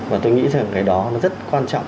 và tôi nghĩ rằng cái đó nó rất quan trọng